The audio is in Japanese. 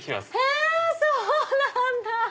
へぇそうなんだ！